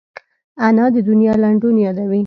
انا د دنیا لنډون یادوي